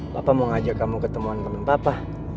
papa mau ngajak kamu ketemuan temen papa